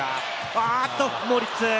あっと、モリッツ！